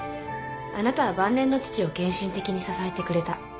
あなたは晩年の父を献身的に支えてくれた。